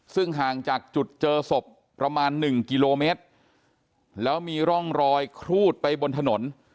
ซึ่งห่างจากจุดเจอศพประมาณหนึ่งกิโลเมตรแล้วมีร่องรอยครูดไปบนถนน